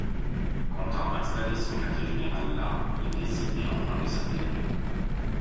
Comptant installer son quartier-général là, il décide néanmoins de s'intégrer.